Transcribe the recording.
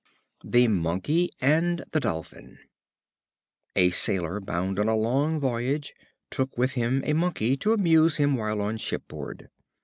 The Monkey and the Dolphin. A Sailor, bound on a long voyage, took with him a Monkey to amuse him while on shipboard.